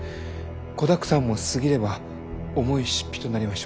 子だくさんも過ぎれば重い出費となりましょう。